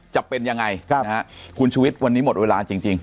จะเป็นยังไงครับอ่าคุณชุวิตวันนี้หมดเวลาจริงจริง